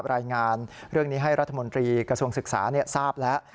รายงานเรื่องนี้ให้รัฐมนตรีกระทรวงศึกษาทราบแล้ว